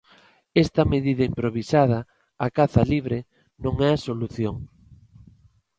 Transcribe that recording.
Esta medida improvisada, a caza libre, non é a solución.